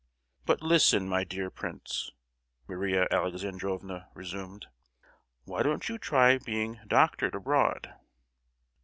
"But listen, my dear prince!" Maria Alexandrovna resumed, "why don't you try being doctored abroad?"